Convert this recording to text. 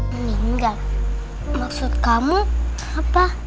meninggal maksud kamu apa